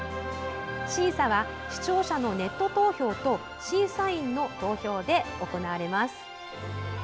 審査は、視聴者のネット投票と審査員の投票で行われます。